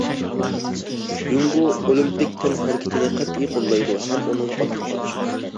جۇڭگو ئولىمپىك تەنھەرىكىتىنى قەتئىي قوللايدۇ ھەم ئۇنىڭغا ئاكتىپ قاتنىشىدۇ.